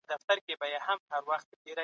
ځینې برسونه له ضد میکروب موادو جوړ شوي.